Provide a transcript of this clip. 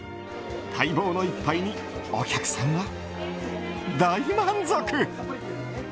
待望の一杯にお客さんは大満足。